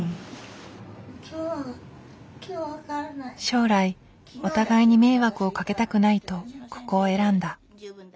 将来お互いに迷惑をかけたくないとここを選んだ。